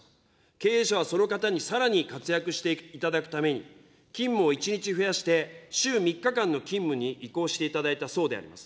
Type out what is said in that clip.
経営者はその方にさらに活躍していただくために、勤務を１日増やして、週３日間の勤務に移行していただいたそうであります。